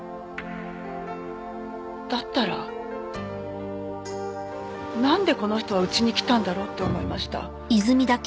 だったらなんでこの人はうちに来たんだろうって思いました。